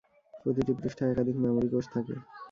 প্রতিটি পৃষ্ঠায় একাধিক মেমরি কোষ থাকে।